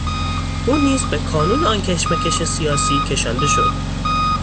او نیز به کانون آن کشمکش سیاسی کشانده شد.